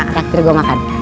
oke nanti gue makan